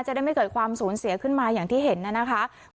จะได้ไม่เกิดความสูญเสียขึ้นมาอย่างที่เห็นนะคะ